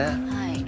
はい。